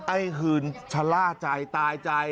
ไอ้หื่นชะล่าใจตายใจ